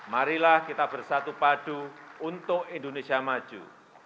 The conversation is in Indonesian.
marilah kita bersatu padu untuk indonesia maju